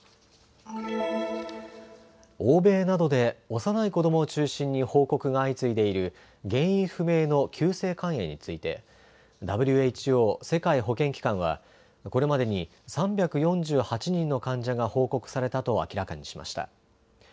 欧米などで幼い子どもを中心に報告が相次いでいる原因不明の急性肝炎についてＷＨＯ・世界保健機関はこれまでに３４８人の患者が報告されたと明らかにしました。